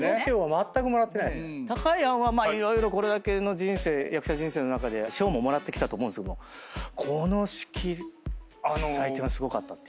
たかやんはこれだけの役者人生の中で賞ももらってきたと思うんですけどこの式祭典はすごかったっていう。